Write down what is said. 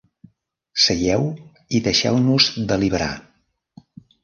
Seieu i deixeu-nos deliberar.